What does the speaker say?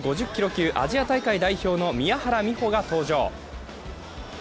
級アジア大会代表の宮原美穂が登場。